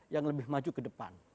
yang lebih maju kedepan